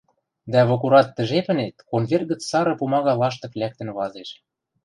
дӓ вокурат тӹ жепӹнет конверт гӹц сары пумага лаштык лӓктӹн вазеш.